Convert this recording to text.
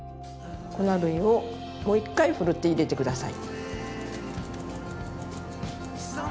粉類をもう一回ふるって入れて下さい。